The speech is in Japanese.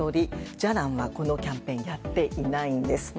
じゃらんはこのキャンペーンはやってないんです。